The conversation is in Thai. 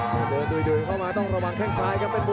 เดินด้วยเข้ามาต้องระวังแข่งซ้ายครับ